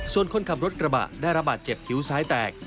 ส่วนคนขับรถกระบะได้ระบาดเจ็บคิ้วซ้ายแตก